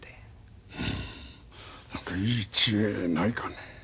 うむ何かいい知恵ないかね。